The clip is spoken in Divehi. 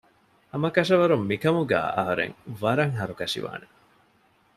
ހަމަކަށަވަރުން މިކަމުގައި އަހުރެން ވަރަށް ހަރުކަށިވާނެ